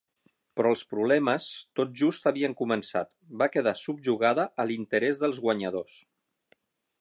Però els problemes tot just havien començat: va quedar subjugada a l'interès dels guanyadors.